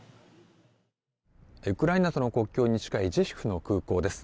ウクライナとの国境に近いジェシュフの空港です。